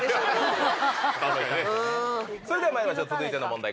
それではまいりましょう続いての問題